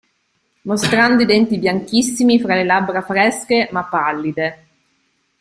Mostrando i denti bianchissimi fra le labbra fresche ma pallide.